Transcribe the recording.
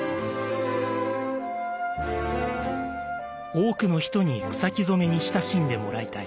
多くの人に草木染に親しんでもらいたい。